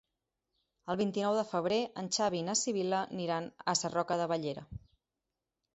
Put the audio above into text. El vint-i-nou de febrer en Xavi i na Sibil·la aniran a Sarroca de Bellera.